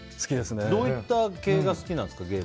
どういった系が好きなんですか？